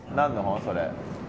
それ。